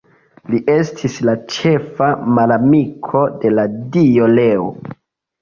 Li estis la ĉefa malamiko de la dio Reo.